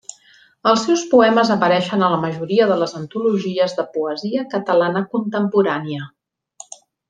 Els seus poemes apareixen a la majoria de les antologies de poesia catalana contemporània.